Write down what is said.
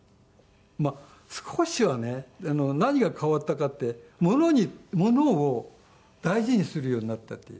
少しはね何が変わったかって物を大事にするようになったっていう。